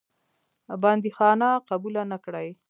بندیخانه قبوله نه کړې.